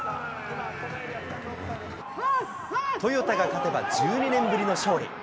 トヨタが勝てば１２年ぶりの勝利。